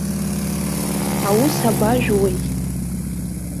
Аус абажәуеи?